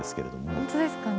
本当ですかね。